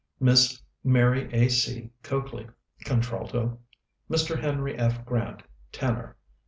_ MISS MARY A.C. COAKLEY Contralto. MR. HENRY F. GRANT Tenor. MR.